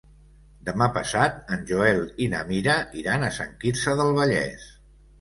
Demà passat en Joel i na Mira iran a Sant Quirze del Vallès.